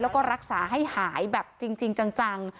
แล้วก็รักษาให้หายแบบจริงจัง